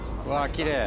きれい。